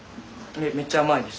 めっちゃ甘いです。